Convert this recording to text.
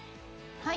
はい。